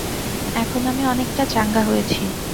এখন আমি অনেকটা চাঙ্গা হয়েছি।